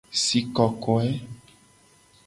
Si kokoe.